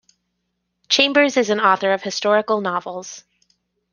Chambers is an author of historical novels.